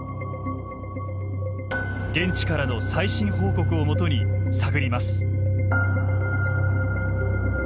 現地からの最新報告をもとに探ります。